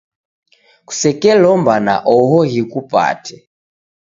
kusekelomba na oho ghikupate.